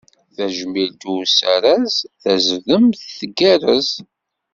Tajmilt uzarez, tazdemt tgerrez.